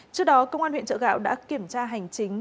trước đó công an huyện trợ gạo đã kiểm tra hành chính